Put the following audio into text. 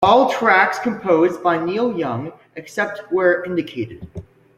All tracks composed by Neil Young, except where indicated.